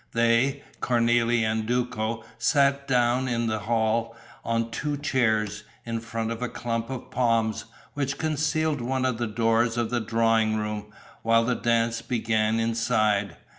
They, Cornélie and Duco, sat down in the hall on two chairs, in front of a clump of palms, which concealed one of the doors of the drawing room, while the dance began inside.